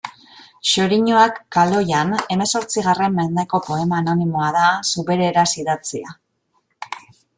Xoriñoak kaloian hemezortzigarren mendeko poema anonimoa da, zubereraz idatzia.